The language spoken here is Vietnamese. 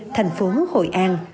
thành phố hội an